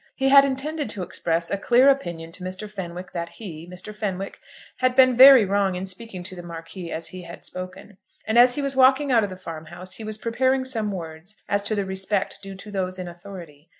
He had intended to express a clear opinion to Mr. Fenwick that he, Mr. Fenwick, had been very wrong in speaking to the Marquis as he had spoken, and as he was walking out of the farm house he was preparing some words as to the respect due to those in authority.